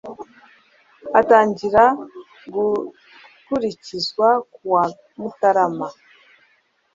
atangira gukurikizwa ku wa mutarama